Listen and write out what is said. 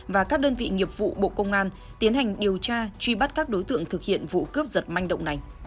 và các đơn vị nghiệp vụ bộ công an tiến hành điều tra truy bắt các đối tượng thực hiện vụ cướp giật manh động này